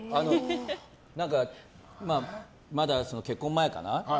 何かまだ結婚前かな。